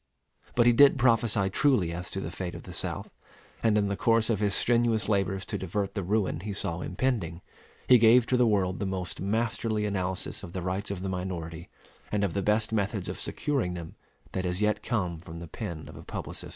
But he did prophesy truly as to the fate of the South; and in the course of his strenuous labors to divert the ruin he saw impending, he gave to the world the most masterly analysis of the rights of the minority and of the best methods of securing them that has yet come from the pen of a publicist.